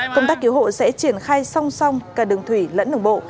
công tác cứu hộ sẽ triển khai song song cả đường thủy lẫn đường bộ